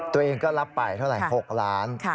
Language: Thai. ตัวเองก็รับไปเท่าไหร่๖ล้าน